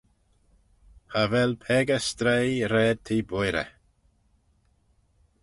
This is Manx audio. Cha vel peccah stroie raad t'eh boirey.